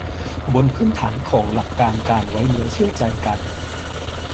บนพื้นฐานของหลักการการไว้เนื้อเชื่อใจกัน